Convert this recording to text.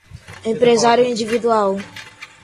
empresário individual